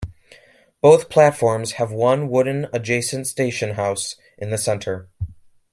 Both platforms have one wooden adjacent station house in the center.